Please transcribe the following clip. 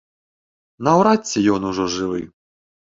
Наўрад ці ён ужо жывы.